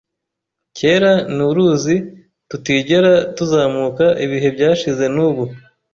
Kera ni uruzi tutigera tuzamuka Ibihe byashize nubu .